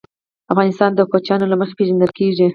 افغانستان د کوچیان له مخې پېژندل کېږي.